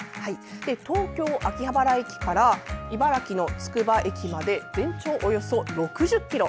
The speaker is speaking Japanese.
東京・秋葉原駅から、茨城のつくば駅まで全長およそ６０ｋｍ。